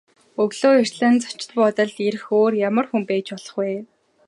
Өглөө эртлэн зочид буудалд ирэх өөр ямар хүн байж болох вэ?